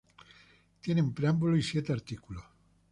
Tiene un preámbulo y siete artículos.